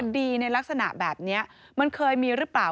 ดีในลักษณะแบบนี้มันเคยมีหรือเปล่า